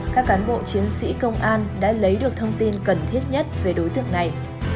các cán bộ chiến sĩ công an đã lấy được thông tin cần thiết nhất về đối tượng này